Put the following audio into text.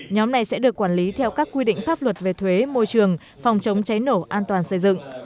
nhóm này sẽ được quản lý theo các quy định pháp luật về thuế môi trường phòng chống cháy nổ an toàn xây dựng